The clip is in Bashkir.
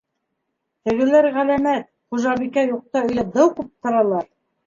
Тегеләр ғәләмәт: хужабикә юҡта, өйҙә дыу ҡуптаралар.